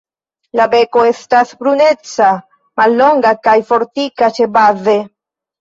La beko estas bruneca, mallonga kaj fortika ĉebaze.